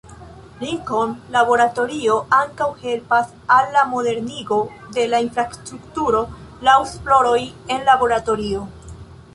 Lincoln Laboratorio ankaŭ helpas al la modernigo de la infrastrukturo laŭ esploroj en laboratorio.